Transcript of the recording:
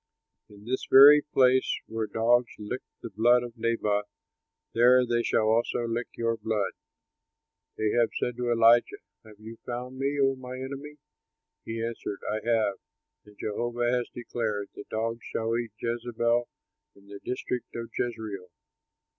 In the very place where the dogs licked the blood of Naboth there they shall also lick your blood."'" Ahab said to Elijah, "Have you found me, O my enemy?" He answered, "I have. And Jehovah has declared: 'The dogs shall eat Jezebel in the district of Jezreel.'"